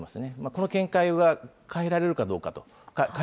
この見解が変えられるのかどうか。